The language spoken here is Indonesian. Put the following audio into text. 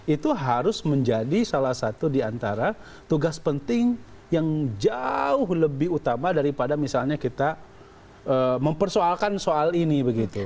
itu harus menjadi salah satu di antara tugas penting yang jauh lebih utama daripada misalnya kita mempersoalkan soal ini